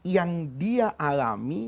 yang dia alami